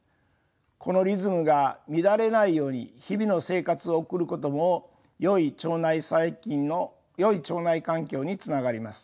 このリズムが乱れないように日々の生活を送ることもよい腸内細菌のよい腸内環境につながります。